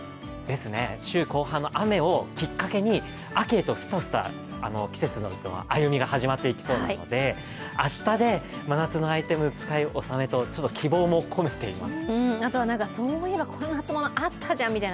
週後半の雨をきっかけに秋へとスタスタ、季節の歩みが始まっていきそうなので明日で真夏日のアイテム、使い収めと希望も込めています。